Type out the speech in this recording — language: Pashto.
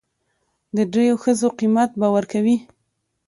د درېو ښځو قيمت به ور کوي.